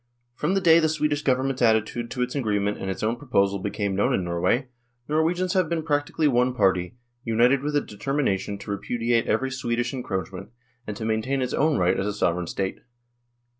From the day the Swedish Government's attitude to its agreement and its own proposal became known in Norway, Norwegians have been practically one party, united with a determination to repudiate every Swedish encroachment, and to maintain its own right as a Sovereign State.